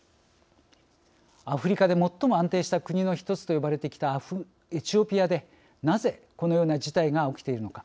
アフリカで最も安定した国の一つと呼ばれてきたエチオピアでなぜこのような事態が起きているのか。